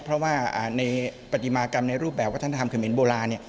เพราะว่าในปฏิมากรรมในรูปแบบวัฒนธรรมเขมรโบราณ